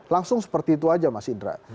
langsung seperti itu aja mas indra